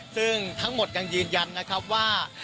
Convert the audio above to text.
ซึ่งทั้งหมดยังยืนยันนะครับว่า